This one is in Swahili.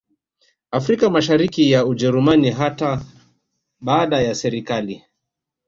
Afrika Mashariki ya Ujerumani hata baada ya serikali